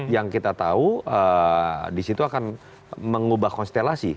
yang kita tahu di situ akan mengubah konstelasi